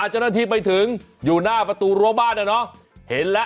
อ่ะเจ้าหน้าทีไปถึงอยู่หน้าประตูรวบบ้านเนอะ